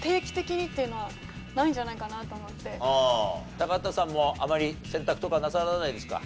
高畑さんもあまり洗濯とかなさらないですか？